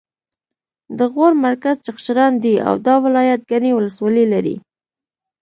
د غور مرکز چغچران دی او دا ولایت ګڼې ولسوالۍ لري